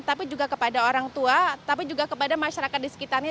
tapi juga kepada orang tua tapi juga kepada masyarakat di sekitarnya